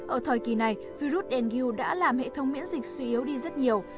ở thời kỳ này virus nu đã làm hệ thống miễn dịch suy yếu đi rất nhiều